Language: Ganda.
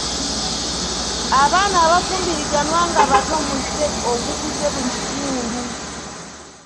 Abaana abafumbiriganwa nga bato muze ogukuze mu kitundu.